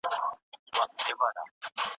ټولنیز فشار د فرد پر پرېکړو اغېز لري.